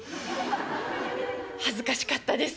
恥ずかしかったです。